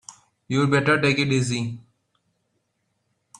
You'd better take it easy.